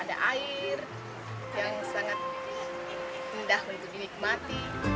ada air yang sangat indah untuk dinikmati